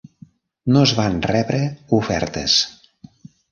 No es van rebre ofertes.